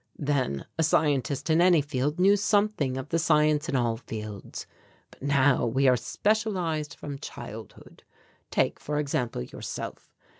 Then a scientist in any field knew something of the science in all fields. But now we are specialized from childhood. Take, for example, yourself.